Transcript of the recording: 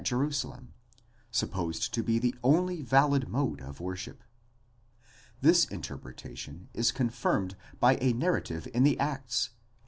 Jerusalem, supposed to be the only valid mode of worship, This interpreta tion is confirmed by a narrative in the Acts (vi.